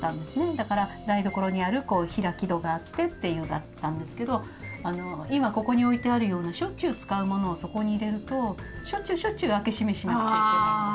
だから台所にあるこう開き戸があってというのだったんですけど今ここに置いてあるようなしょっちゅう使う物をそこに入れるとしょっちゅうしょっちゅう開け閉めしなくちゃいけないんです。